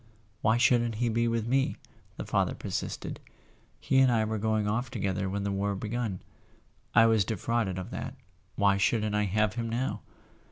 "Why shouldn't he be with me?" the father per¬ sisted. "He and I were going off together when the war begun. I was defrauded of that—why shouldn't I have him now?"